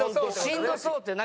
しんどそうっていう。